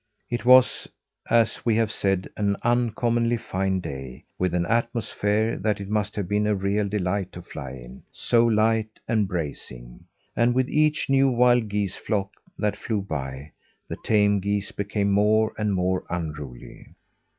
It was, as we have said, an uncommonly fine day, with an atmosphere that it must have been a real delight to fly in, so light and bracing. And with each new wild geese flock that flew by, the tame geese became more and more unruly.